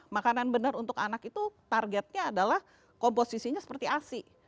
makanan benar untuk anak itu targetnya adalah komposisinya seperti asi